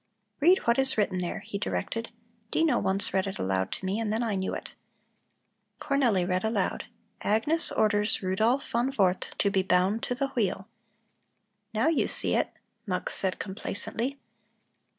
"Read what is written here," he directed. "Dino once read it aloud to me and then I knew it." Cornelli read aloud: "Agnes orders Rudolph von Warth to be bound to the wheel." "Now you see it," Mux said complacently.